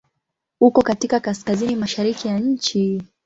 Uko katika Kaskazini mashariki ya nchi.